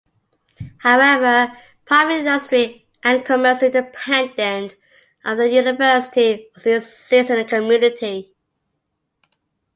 However, private industry and commerce independent of the university also exist in the community.